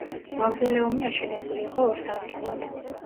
მავზოლეუმი აშენებული იყო ორ სართულად.